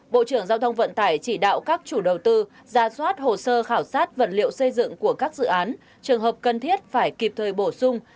bộ trưởng giao thông vận tải chỉ đạo các chủ đầu tư ra soát hồ sơ khảo sát vật liệu xây dựng của các dự án trường hợp cần thiết phải kịp thời bổ sung